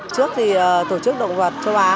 trước thì tổ chức động vật châu á